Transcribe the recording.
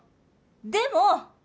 でも！